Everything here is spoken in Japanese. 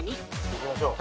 いきましょう。